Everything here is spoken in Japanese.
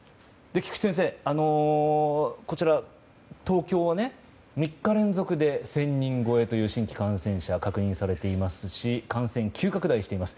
菊池先生、東京は３日連続で１０００人超えという新規感染者が確認されていますし感染が急拡大しています。